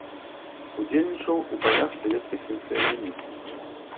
Удзельнічаў у баях савецка-фінскай вайны.